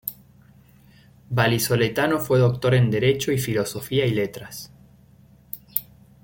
Vallisoletano, fue doctor en Derecho y Filosofía y Letras.